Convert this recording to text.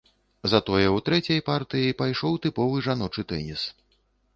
Затое ў трэцяй партыі пайшоў тыповы жаночы тэніс.